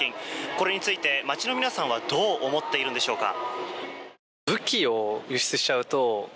これについて街の皆さんはどう思っているんでしょうか。